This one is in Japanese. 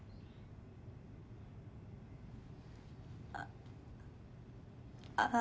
あっあっ